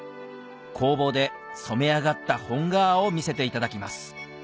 工房で染め上がった本革を見せていただきます